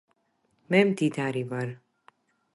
მე მდიდარი ვარ